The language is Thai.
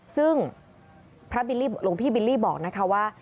ซึ่งพระหลวงพี่บิลลี่บอกนะคะว่า